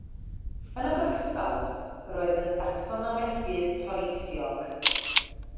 Yn ogystal roedd yn dacsonomegydd toreithiog.